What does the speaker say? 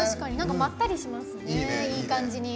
まったりしますねいい感じに。